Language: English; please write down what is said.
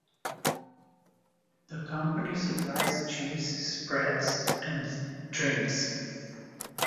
The company supplies cheese, spreads and drinks.